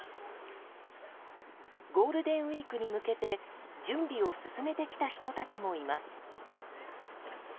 ゴールデンウィークに向けて準備を進めてきた人たちもいます。